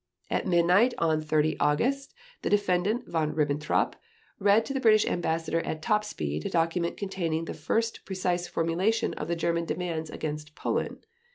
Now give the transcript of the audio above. At midnight on 30 August the Defendant Von Ribbentrop read to the British Ambassador at top speed a document containing the first precise formulation of the German demands against Poland.